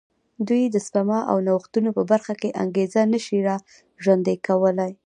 دوی د سپما او نوښتونو په برخه کې انګېزه نه شي را ژوندی کولای.